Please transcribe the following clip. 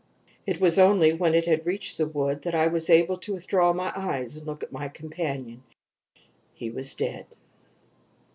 It was only when it had reached the wood that I was able to withdraw my eyes and look at my companion. He was dead."